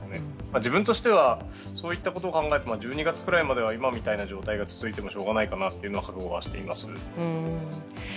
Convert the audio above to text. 自分としてはそういったことを考えると１２月ぐらいまでは続いてもしょうがないかなという覚悟はしています。